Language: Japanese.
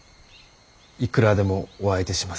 いくらでもお相手します。